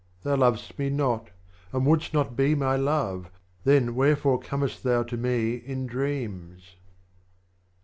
Thou lov'st me not, and wouldst not be my Love, Then wherefore comest thou to me in Dreams